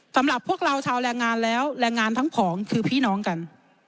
สำหรับพวกเราชาวแรงงานแล้วแรงงานทั้งผองคือพี่น้องกัน